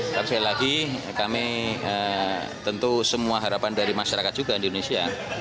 tapi sekali lagi kami tentu semua harapan dari masyarakat juga di indonesia